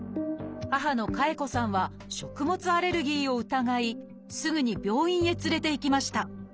母の夏絵子さんは食物アレルギーを疑いすぐに病院へ連れて行きました。